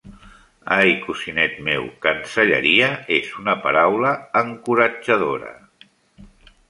Ai, cosinet meu, cancelleria és una paraula encoratjadora!